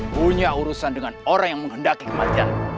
punya urusan dengan orang yang menghendaki kematian